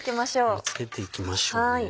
盛り付けていきましょうね。